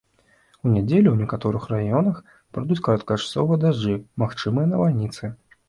У нядзелю ў некаторых раёнах пройдуць кароткачасовыя дажджы, магчымыя навальніцы.